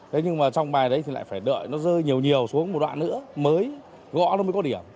thế nhưng mà trong bài đấy thì lại phải đợi nó rơi nhiều nhiều xuống một đoạn nữa mới gõ nó mới có điểm